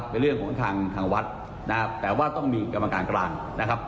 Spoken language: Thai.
เป็นเรื่องของทางวัดแต่ว่าต้องมีกรรมการกลาง